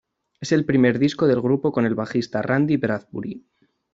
Es el primer disco del grupo con el bajista Randy Bradbury.